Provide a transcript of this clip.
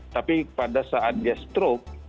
tapi pada saat dia stroke